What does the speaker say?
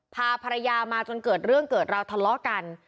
พาภรรยามาจนเกิดเรื่องเกิดราวทะเลาะกัน